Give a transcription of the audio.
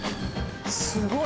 すごい。